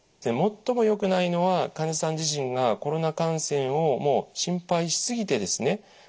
最もよくないのは患者さん自身がコロナ感染を心配し過ぎてですね